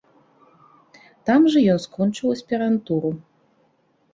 Там жа ён скончыў аспірантуру.